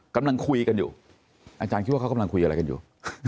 กำลังคุยกันอยู่อาจารย์คิดว่าเขากำลังคุยอะไรกันอยู่